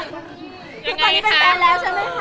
แล้วตอนนี้เป็นแฟนแล้วใช่ไม่คะ